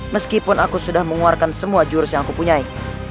meskipun aku sudah mengeluarkan semua jurus yang kupunyai